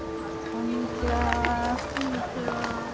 こんにちは。